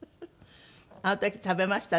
あの時食べましたね。